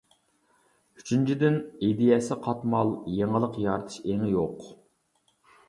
ئۈچىنچىدىن، ئىدىيەسى قاتمال، يېڭىلىق يارىتىش ئېڭى يوق.